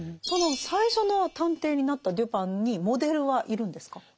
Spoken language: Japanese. その最初の探偵になったデュパンにモデルはいるんですか？